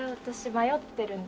迷ってる？